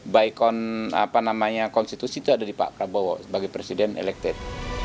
baik konstitusi itu ada di pak prabowo sebagai presiden elected